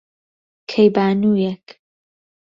کەیبانوویەک،